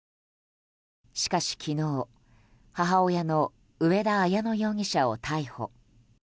しかし、昨日母親の上田綾乃容疑者を逮捕。